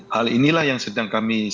hal inilah yang sedang kami